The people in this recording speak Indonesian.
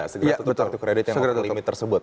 segera tutup kartu kredit yang limit tersebut